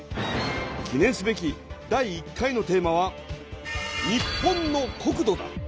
記念すべき第１回のテーマは「日本の国土」だ。